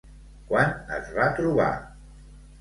Quan es va trobar?